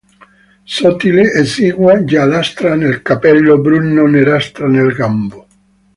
Sottile, esigua, giallastra nel cappello, bruno-nerastra nel gambo.